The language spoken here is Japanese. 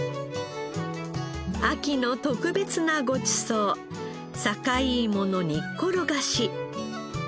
秋の特別なごちそう坂井芋の煮ころがし。